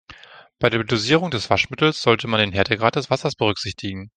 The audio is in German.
Bei der Dosierung des Waschmittels sollte man den Härtegrad des Wassers berücksichtigen.